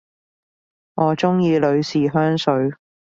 我鍾意女士香水